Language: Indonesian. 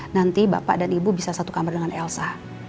nanti bapak dan ibu bisa satu kamar dengan elsa